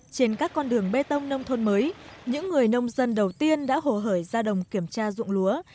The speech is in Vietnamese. trên các con đường bê tông nông thôn mới những người nông dân đầu tiên đã hồ hởi ra đồng kiểm tra dụng lúa